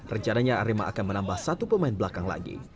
rencananya arema akan menambah satu pemain belakang lagi